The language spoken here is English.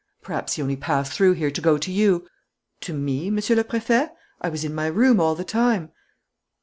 "Perhaps he only passed through here to go to you." "To me, Monsieur le Préfet? I was in my room all the time."